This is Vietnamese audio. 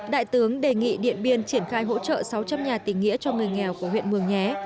đại tướng đề nghị điện biên triển khai hỗ trợ sáu trăm linh nhà tỉnh nghĩa cho người nghèo của huyện mường nhé